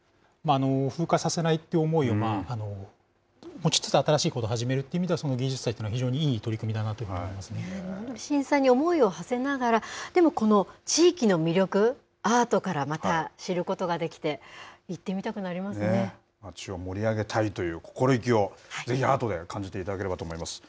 風化させないという思いを持ちつつ、新しいことを始めるという意味では、その芸術祭というのは、非常にいい取り組みだなと思震災に思いをはせながら、でも、この地域の魅力、アートからまた知ることができて、行ってみ街を盛り上げたいという心意気を、ぜひアートで感じていただければと思います。